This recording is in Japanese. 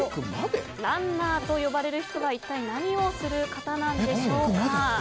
ランナーと呼ばれる人は一体何をする方でしょうか。